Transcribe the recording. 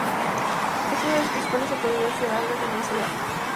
Es una de las principales autoridades en algas de Nueva Zelanda.